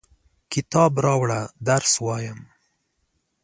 کتاب راوړه ، درس وایم!